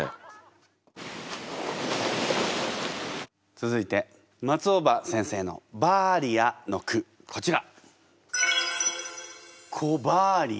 続いて松尾葉先生の「バーリア」の句こちら。